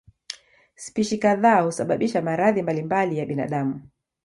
Spishi kadhaa husababisha maradhi mbalimbali ya binadamu.